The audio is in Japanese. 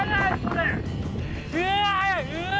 うわ！